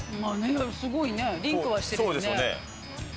すごいね、リンクはしてるね。